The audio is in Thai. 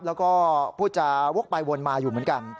แล้วก็พูดจาวกไปวนมาอยู่เหมือนกัน